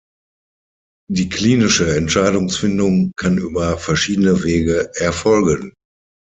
Die klinische Entscheidungsfindung kann über verschiedene Wege erfolgen.